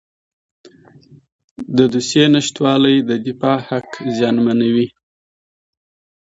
د دوسیې نشتوالی د دفاع حق زیانمنوي.